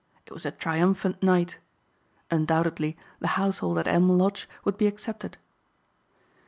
It was a triumphant night. Undoubtedly the household at Elm Lodge would be accepted.